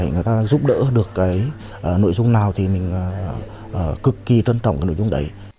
người ta giúp đỡ được cái nội dung nào thì mình cực kỳ trân trọng cái nội dung đấy